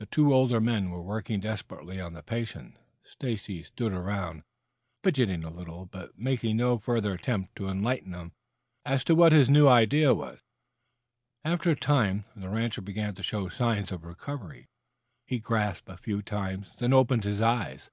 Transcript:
The two older men were working desperately on the patient. Stacy stood around, fidgeting a little, but making no further attempt to enlighten them as to what his new idea was. After a time the rancher began to show signs of recovering. He gasped a few times then opened his eyes.